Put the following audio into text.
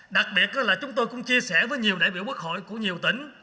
đặc biệt là chúng tôi cũng chia sẻ với nhiều đại biểu quốc hội của nhiều tỉnh